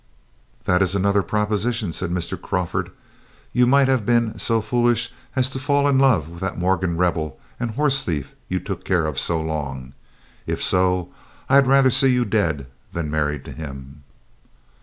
"That is another proposition," said Mr. Crawford. "You might have been so foolish as to fall in love with that Morgan Rebel and horse thief you took care of so long. If so, I had rather see you dead than married to him."